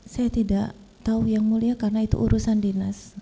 saya tidak tahu yang mulia karena itu urusan dinas